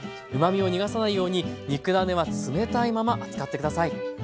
うまみを逃がさないように肉ダネは冷たいまま扱って下さい。